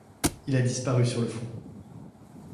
Il a disparu sur le front.